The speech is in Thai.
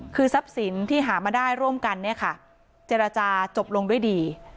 คือทรัพย์สินที่หามาได้ร่วมกันเนี่ยค่ะเจรจาจบลงด้วยดี